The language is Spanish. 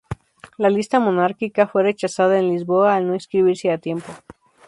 La lista monárquica fue rechazada en Lisboa al no inscribirse a tiempo.